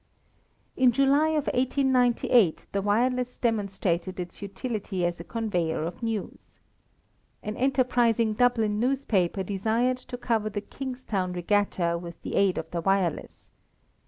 In July of 1898 the wireless demonstrated its utility as a conveyer of news. An enterprising Dublin newspaper desired to cover the Kingstown regatta with the aid of the wireless.